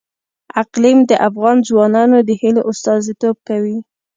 اقلیم د افغان ځوانانو د هیلو استازیتوب کوي.